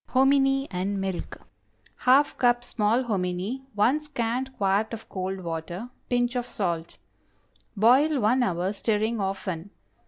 HOMINY AND MILK. ✠ ½ cup small hominy. 1 scant quart of cold water. Pinch of salt. Boil one hour, stirring often.